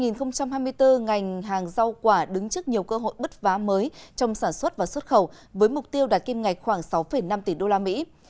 năm hai nghìn hai mươi bốn ngành hàng rau quả đứng trước nhiều cơ hội bứt vá mới trong sản xuất và xuất khẩu với mục tiêu đạt kim ngạch khoảng sáu năm tỷ usd